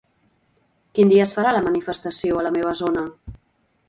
Quin dia es farà la manifestació a la meva zona?